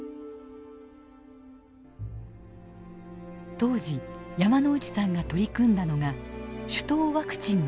当時山内さんが取り組んだのが種痘ワクチンの改良です。